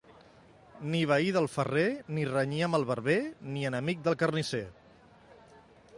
Ni veí del ferrer, ni renyir amb el barber, ni enemic del carnisser.